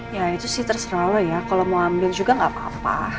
ya itu sih terserah lo ya kalo mau ambil juga gapapa